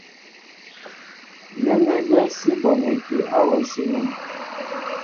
Nɛ́nɛ́ gwɛ́ sí bonɛkí áwasí nɛ̄.